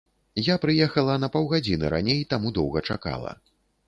Я прыехала на паўгадзіны раней, таму доўга чакала.